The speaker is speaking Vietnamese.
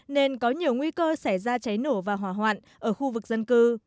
nên có nhiều nguy cơ xảy ra cháy nổ và hỏa hoạn ở khu vực dân cư